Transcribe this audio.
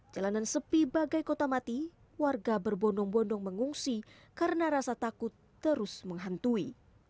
jalanan sepi bagai kota mati warga berbondong bondong mengungsi karena rasa takut terus menghantui